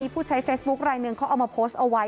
ผู้ใช้เฟซบุ๊คไลนึงเขาเอามาโพสต์เอาไว้